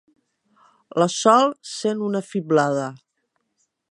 La Sol sent una fiblada.